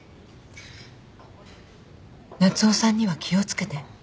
夏雄さんには気を付けて。